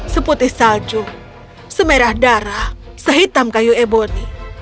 seputih salju semerah darah sehitam kayu eboni